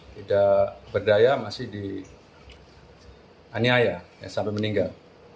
tidak berdaya masih dianiaya sampai meninggal